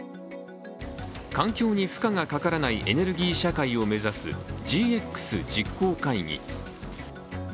環境に負荷がかからないエネルギー社会を目指すＧＸ実行会議。